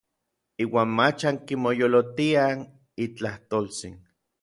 Iuan mach ankimoyolotiaj n itlajtoltsin.